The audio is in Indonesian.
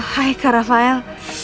hai kak rafael